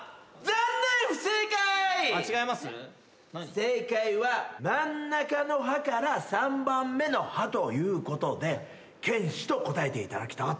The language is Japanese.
正解は真ん中の歯から３番目の歯ということで犬歯と答えていただきたかった。